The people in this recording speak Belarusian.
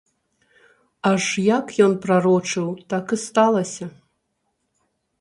Аж як ён прарочыў, так і сталася.